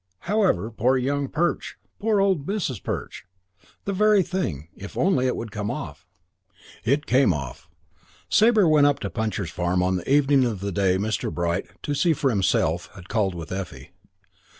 However, poor young Perch! Poor old Mrs. Perch! The very thing, if only it would come off. XI It came off. Sabre went up to Puncher's Farm on the evening of the day Mr. Bright, "to see for himself", had called with Effie.